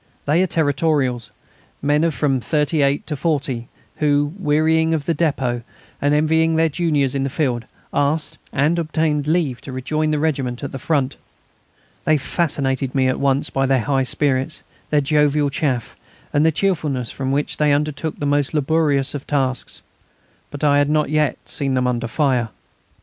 They are Territorials, men of from thirty eight to forty, who, wearying of the depôt and envying their juniors in the field, asked and obtained leave to rejoin the regiment at the Front. They fascinated me at once by their high spirits, their jovial chaff, and the cheerfulness with which they undertook the most laborious tasks. But I had not yet seen them under fire.